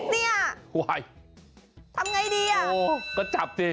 เนี่ยทำยังไงดีอ่ะก็จับสิ